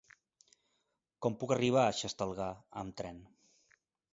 Com puc arribar a Xestalgar amb tren?